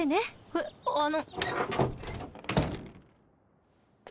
えっあの。